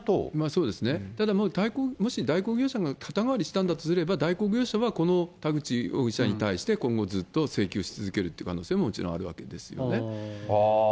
そうですね、もし代行業者が肩代わりしたんだとすれば、代行業者はこの田口容疑者に対して、今後ずっと請求し続けるという可能性ももちろんあるわけですよね。